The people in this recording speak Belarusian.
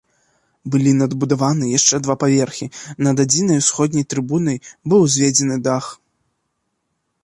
Былі надбудаваны яшчэ два паверхі, над адзінай усходняй трыбунай быў узведзены дах.